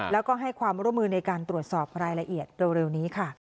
แล้วก็ให้ความร่วมมือในการตรวจสอบรายละเอียดเร็วนี้ค่ะ